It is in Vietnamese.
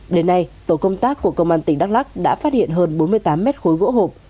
đến nay tổ công tác của công an tỉnh đắk lắc đã phát hiện hơn bốn mươi tám mét khối gỗ hộp